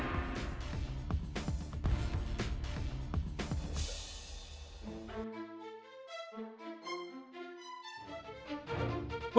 ช่วยจะทำวก่อน